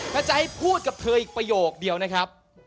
กระใจพูดกับเธออีกประโยคเดียวนะครับ